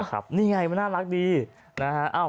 นะครับนี่ไงมันน่ารักดีนะฮะ